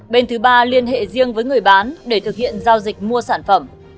bên thứ ba liên hệ riêng với người bán để thực hiện giao dịch mua sản phẩm